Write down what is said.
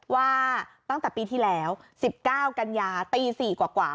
ว่าตั้งแต่ปีที่แล้วสิบเก้ากันยาตีสี่กว่ากว่า